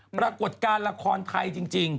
ปรากฏการณ์ละครไทยจริง